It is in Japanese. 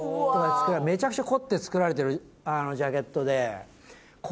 めちゃくちゃ凝って作られてるジャケットで。